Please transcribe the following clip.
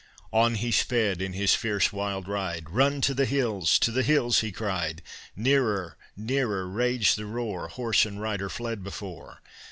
On he sped in his fierce, wild ride. "Run to the hills! to the hills!" he cried. Nearer, nearer raged the roar Horse and rider fled before.